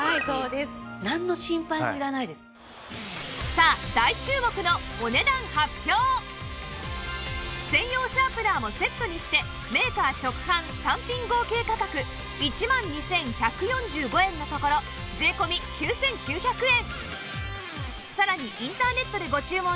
さあ専用シャープナーもセットにしてメーカー直販単品合計価格１万２１４５円のところ税込９９００円